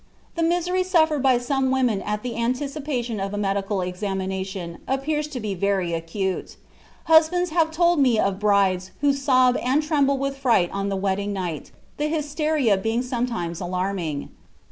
The misery suffered by some women at the anticipation of a medical examination, appears to be very acute. Husbands have told me of brides who sob and tremble with fright on the wedding night, the hysteria being sometimes alarming.